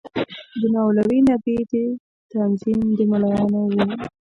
د مولوي نبي تنظیم د ملايانو وو.